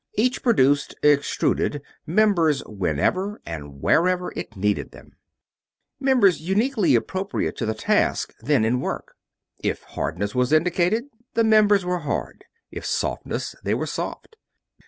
Each produced extruded members whenever and wherever it needed them; members uniquely appropriate to the task then in work. If hardness was indicated, the members were hard; if softness, they were soft.